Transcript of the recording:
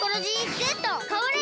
かわれ！